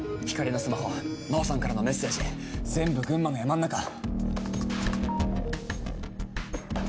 光莉のスマホ真帆さんからのメッセージ全部群馬の山ん中！